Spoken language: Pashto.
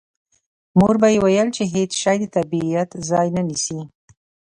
مور به یې ویل چې هېڅ شی د طبیعت ځای نه نیسي